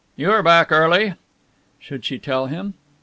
"You are back early!" Should she tell him?